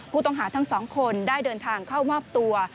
ทุกคนได้เดินทางเข้ามอบตัว